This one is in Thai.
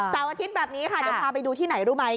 อาทิตย์แบบนี้ค่ะเดี๋ยวพาไปดูที่ไหนรู้ไหม